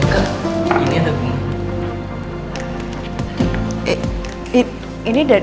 kek ini ada bunga